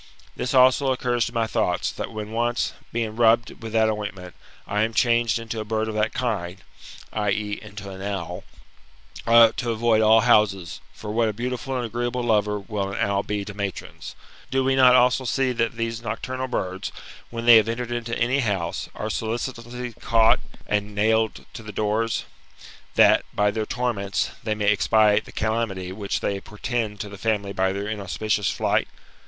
This also occurs to my thoughts, that when once, being rubbed with that ointment, I am changed into a bird of that kind [i.e. into an owl], I ought to avoid all houses; for what a beautiful and agreeable lover will an owl be to matrons! Do we not also see that these nocturnal birds, when they have entered into any house, are solicitiously caughti and nailed to COLDfeN ASs, or At»ULEtt^S. — fiOOlt III. 47 the doors, that, by their torments, they may expiate the calamity which they portend to the family by their inauspicious fliglu